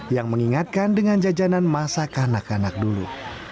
yang mengingatkan dengan jajanan masa kanak kanak dulu